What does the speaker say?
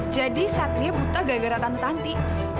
jadi satria buta gara gara tante tanti